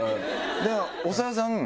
長田さん